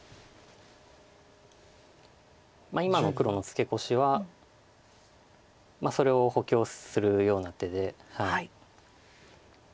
今の黒のツケコシはそれを補強するような手で。